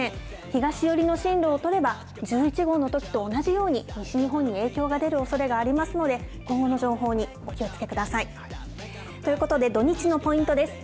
東寄りの進路を取れば、１１号のときと同じように、西日本に影響が出るおそれがありますので、今後の情報にお気をつけください。ということで土日のポイントです。